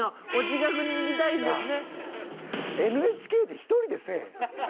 ＮＨＫで一人でせえ。